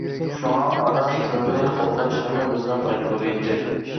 شۇڭا ئانا تىلنى قوغداش ھەممىمىزنىڭ مەجبۇرىيىتى.